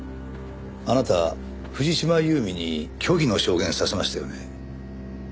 あなた藤島夕美に虚偽の証言させましたよね？